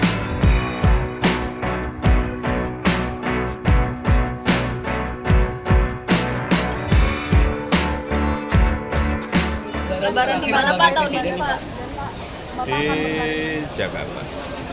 sudah ada rencana silaturahmi sama siapa pak